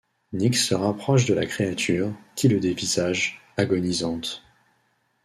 Nick se rapproche de la créature, qui le dévisage, agonisante.